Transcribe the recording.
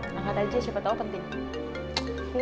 angkat aja siapa tahu penting